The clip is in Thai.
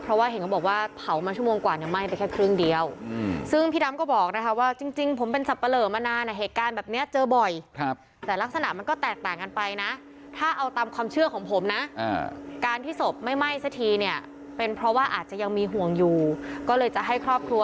เพราะว่าเห็นเขาบอกว่าเผามาชั่วโมงกว่าเนี่ยมาชั่วโมงกว่าเนี่ยมาชั่วโมงกว่าเนี่ยมาชั่วโมงกว่าเนี่ยมาชั่วโมงกว่าเนี่ยมาชั่วโมงกว่าเนี่ยมาชั่วโมงกว่าเนี่ยมาชั่วโมงกว่าเนี่ยมาชั่วโมงกว่าเนี่ยมาชั่วโมงกว่าเนี่ยมาชั่วโมงกว่าเนี่ยมาชั่วโมงกว่าเนี่ยมาชั่วโมงกว